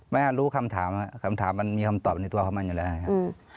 แม่รู้คำถามคำถามมันมีคำตอบในตัวของมันอยู่แล้วนะครับ